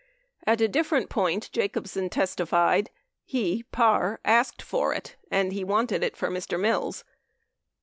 27 At a different point, Jacobsen testified, "He (Parr) asked for it" and "He wanted it for Mr. Mills."